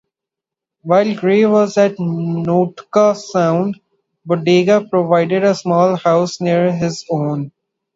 While Gray was at Nootka Sound, Bodega provided a small house near his own.